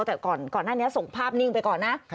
แต่ก่อนหน้านี้ส่งภาพนิ่งไปก่อนนะ